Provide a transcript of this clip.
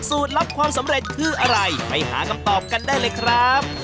ลับความสำเร็จคืออะไรไปหาคำตอบกันได้เลยครับ